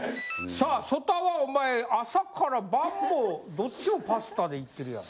さあ曽田はお前朝から晩もどっちもパスタでいってるやん。